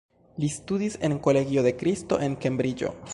Li studis en Kolegio de kristo, en Kembriĝo.